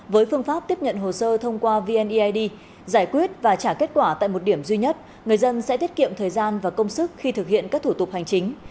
với phương pháp tiếp nhận hồ sơ thông qua vneid giải quyết và trả kết quả tại một điểm duy nhất người dân sẽ tiết kiệm thời gian và công sức khi thực hiện các thủ tục hành chính